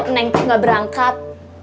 neng teh gak berangkat